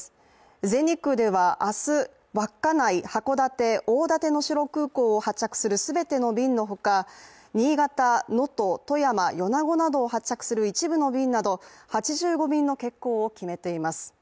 全日空では明日、稚内・函館・大館能代空港を発着する全ての便のほか新潟、能登、富山、米子などを発着する一部の便など、８５便の欠航を決めています。